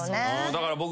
だから僕。